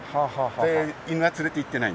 で犬は連れていってない。